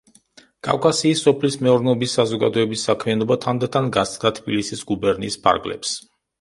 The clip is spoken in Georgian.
კავკასიის სოფლის მეურნეობის საზოგადოების საქმიანობა თანდათან გასცდა თბილისის გუბერნიის ფარგლებს.